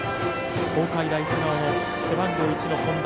東海大菅生の背番号１の本田。